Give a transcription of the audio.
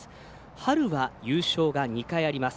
春は優勝が２回あります。